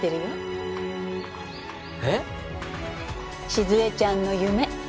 静江ちゃんの夢。